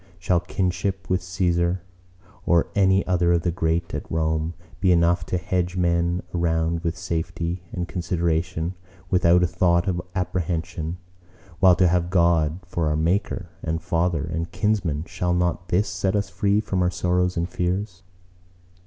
Shall kinship with Cæsar, or any other of the great at Rome, be enough to hedge men around with safety and consideration, without a thought of apprehension: while to have God for our Maker, and Father, and Kinsman, shall not this set us free from sorrows and fears?